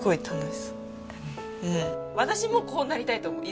私もこうなりたいと思う。